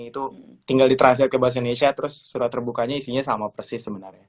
itu tinggal di transfer ke bahasa indonesia terus surat terbukanya isinya sama persis sebenarnya